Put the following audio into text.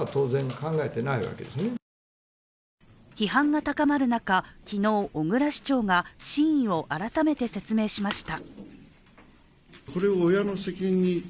批判が高まる中、昨日、小椋市長が真意を改めて説明しました。